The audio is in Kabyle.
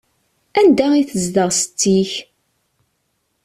Anda i tezdeɣ setti-k?